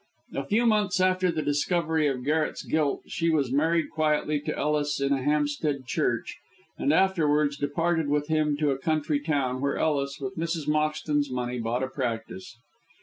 A few months after the discovery of Garret's guilt she was married quietly to Ellis in a Hampstead church, and afterwards departed with him to a country town, where Ellis, with Mrs. Moxton's money, bought a practice.